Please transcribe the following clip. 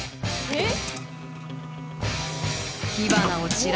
えっ？